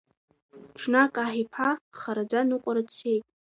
Ҽнак аҳ иԥа хараӡа ныҟәара дцеит.